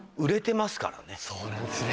そうなんですね。